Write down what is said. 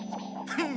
フン！